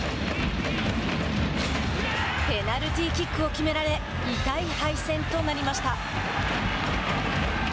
ペナルティーキックを決められ、痛い敗戦となりました。